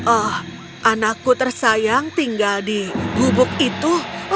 oh anakku tersayang tinggal di gubuk itu